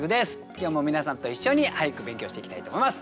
今日も皆さんと一緒に俳句勉強していきたいと思います。